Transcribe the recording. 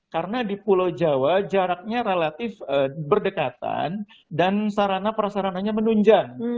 karena di pulau jawa jaraknya relatif berdekatan dan sarana prasarananya menunjang